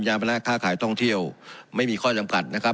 ยามนาคาขายต้องเที่ยวไม่มีข้อจำกัดนะครับ